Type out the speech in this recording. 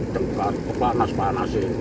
dengan tempat panas panas ini